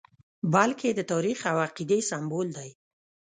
بلکې د تاریخ او عقیدې سمبول دی.